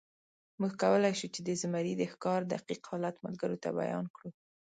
موږ کولی شو، چې د زمري د ښکار دقیق حالت ملګرو ته بیان کړو.